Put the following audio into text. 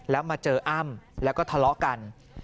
แล้วมาเจออ้ำแล้วก็ทะเลาะกัน